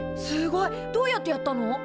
すごい！どうやってやったの？